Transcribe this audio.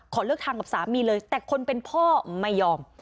เลิกทางกับสามีเลยแต่คนเป็นพ่อไม่ยอม